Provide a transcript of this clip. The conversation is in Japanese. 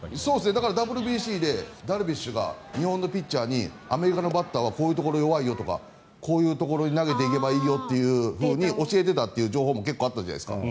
だからＷＢＣでダルビッシュが日本のピッチャーにアメリカのバッターはこういうところ弱いよとかこういうところに投げていけばいいよというふうに教えてたという情報も結構あったじゃないですか。